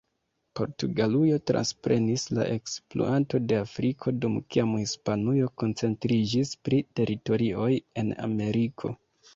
Portugalujo transprenis la ekspluato de Afriko, dum kiam Hispanujo koncentriĝis pri teritorioj en Ameriko.